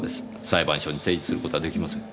裁判所に提示する事はできません。